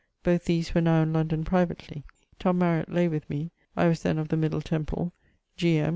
Both these were now in London privately. Tom Mariett laye with me (I was then of the Middle Temple); G. M.